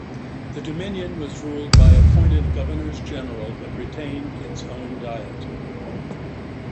The dominion was ruled by appointed Governors-General, but retained its own diet.